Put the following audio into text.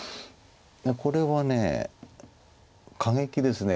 これは過激です。